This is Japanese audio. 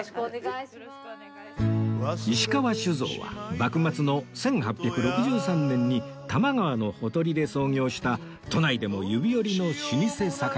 石川酒造は幕末の１８６３年に多摩川のほとりで創業した都内でも指折りの老舗酒蔵